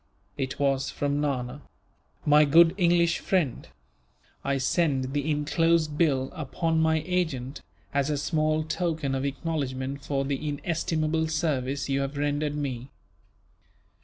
It was from Nana. "My good English friend, "I send the enclosed bill, upon my agent, as a small token of acknowledgment for the inestimable service you have rendered me.